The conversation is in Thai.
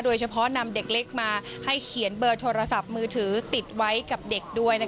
โดยเฉพาะนำเด็กเล็กมาให้เขียนเบอร์โทรศัพท์มือถือติดไว้กับเด็กด้วย